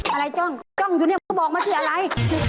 อะไรจ้องจ้องอยู่นี่บอกมาทีอะไร